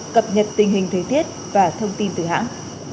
cập nhật tình hình thời tiết và thông tin từ hãng